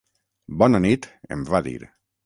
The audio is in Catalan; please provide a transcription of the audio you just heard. Bona nit em va dir